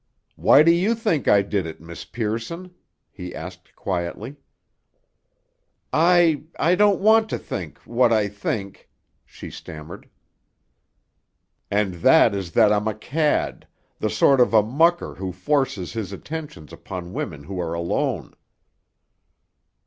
"Why do you think I did it, Miss Pearson?" he asked quietly. "I—I don't want to think—what I think," she stammered. "And that is that I'm a cad, the sort of a mucker who forces his attentions upon women who are alone."